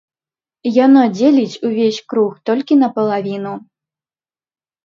Яно дзеліць увесь круг толькі напалавіну.